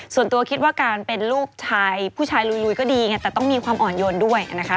ส่วนตัวคิดว่าการเป็นลูกชายผู้ชายลุยก็ดีไงแต่ต้องมีความอ่อนโยนด้วยนะคะ